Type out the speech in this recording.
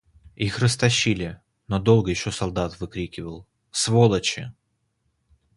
Их растащили, но долго еще солдат выкрикивал: — Сволочи!